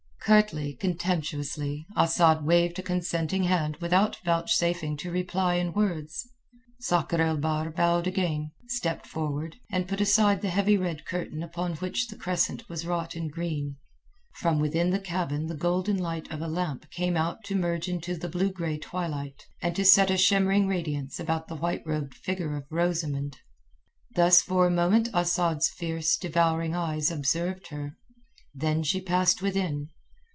Curtly, contemptuously, Asad waved a consenting hand without vouchsafing to reply in words. Sakr el Bahr bowed again, stepped forward, and put aside the heavy red curtain upon which the crescent was wrought in green. From within the cabin the golden light of a lamp came out to merge into the blue gray twilight, and to set a shimmering radiance about the white robed figure of Rosamund. Thus for a moment Asad's fierce, devouring eyes observed her, then she passed within.